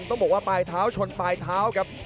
ต้องบอกว่าปลายเท้าชนปลายเท้าครับ